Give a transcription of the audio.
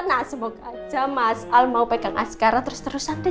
nah semoga aja mas al mau pegang askara terus terusan deh